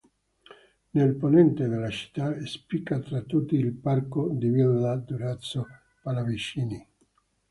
Nel Ponente della città, spicca tra tutti il parco di Villa Durazzo-Pallavicini.